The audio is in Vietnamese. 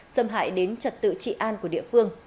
xâm hại đến trật tự trị an